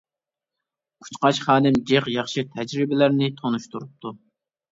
قۇشقاچ خانىم جىق ياخشى تەجرىبىلەرنى تونۇشتۇرۇپتۇ.